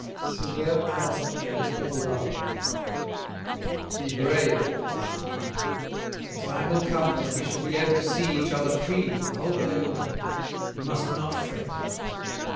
Silvère clasped her yet more lovingly. "Be brave!" said he. "The time will come when we shall be able to see each other freely the whole day long. You must not fret."